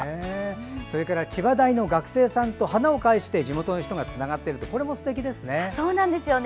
それから千葉大の学生さんと花を介して地元の人がつながってるってこれもすてきですね。